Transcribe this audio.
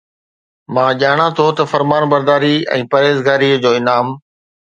مان ڄاڻان ٿو فرمانبرداري ۽ پرهيزگاري جو انعام